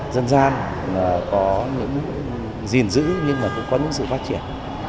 dân gian có những gìn giữ nhưng mà cũng có những sự phát triển